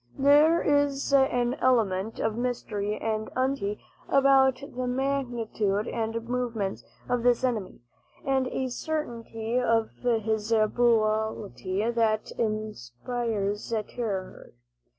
There is an element of mystery and uncertainty about the magnitude and movements of this enemy, and a certainty of his brutality, that inspires terror.